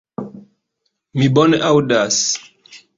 Mi bone aŭdas.